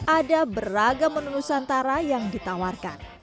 ada beragam menu nusantara yang ditawarkan